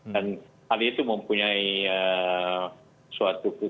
dan hal itu mempunyai suatu pukulan